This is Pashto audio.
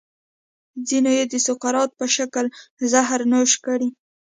ځینو یې د سقراط په شکل زهر نوش کړي.